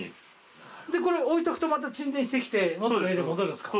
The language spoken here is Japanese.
これ置いとくとまた沈殿してきて元の色に戻るんですか？